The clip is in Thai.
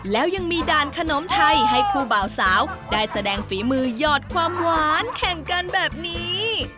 แล้วยังมีด่านขนมไทยให้คู่บ่าวสาวได้แสดงฝีมือหยอดความหวานแข่งกันแบบนี้